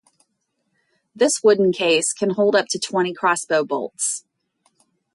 This wooden case can hold up to twenty crossbow bolts.